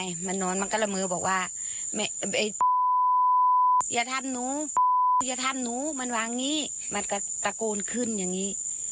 อย่าทำหนูมันวางงี้มันก็ตะโกนขึ้นอย่างงี้